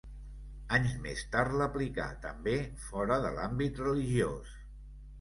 Anys més tard l'aplicà, també, fora de l'àmbit religiós.